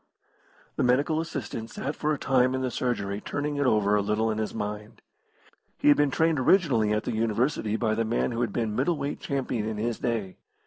The medical assistant sat for a time in the surgery turning it over a little in his mind. He had been trained originally at the University by the man who had been middle weight champion in his day.